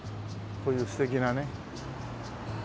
こういう素敵なね。